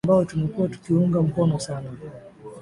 ambao tumekuwa tukiunga mkono sana